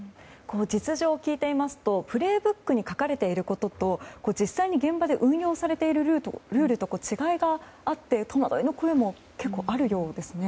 実情を聞いていると「プレイブック」に書かれていることと実際に現場で運用されているルールと違いがあって、戸惑いの声も結構あるようですね。